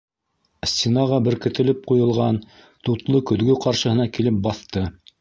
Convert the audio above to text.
Стенаға беркетелеп ҡуйылған тутлы көҙгө ҡаршыһына килеп баҫты.